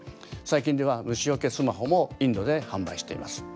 最近では虫よけスマホもインドで販売しています。